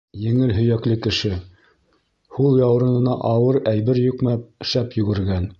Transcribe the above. Еңел һөйәкле кеше, һул яурынына ауыр әйбер йөкмәп, шәп йүгергән.